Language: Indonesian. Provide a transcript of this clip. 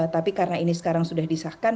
tapi karena ini sekarang sudah disahkan